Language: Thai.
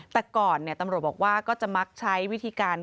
แต่ก่อนตำรวจบอกว่าก็จะมักใช้วิธีการ